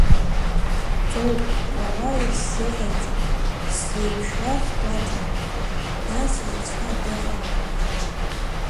Ҵоуп, лара исзыҟаиҵеит сзеиԥшраз гәаҭан, нас Анцәа дыҟам ҳәала!